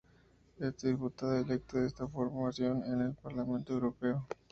Es diputada electa de esta formación en el Parlamento europeo.